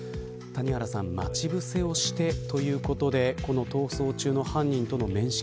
谷原さん、待ち伏せをしてということで逃走中の犯人との面識